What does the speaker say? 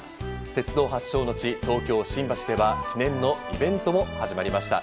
鉄道発祥の地、東京・新橋では記念のイベントも始まりました。